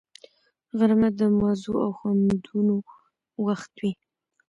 غرمه د مزو او خوندونو وخت وي